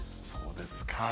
そうですか。